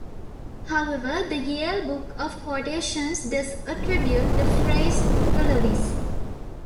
However, the "Yale Book of Quotations" does attribute the phrase to Lewis.